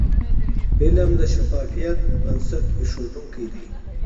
علم د شفافیت بنسټ ایښودونکی د.